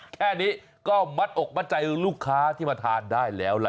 แค่นี้ก็มัดอกมัดใจลูกค้าที่มาทานได้แล้วล่ะ